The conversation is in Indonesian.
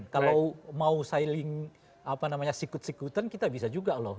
kalau mau sailing sikut sikutan kita bisa juga loh